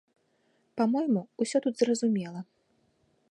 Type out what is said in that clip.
Па-мойму, усё тут зразумела.